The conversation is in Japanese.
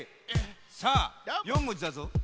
さあ４文字だぞ。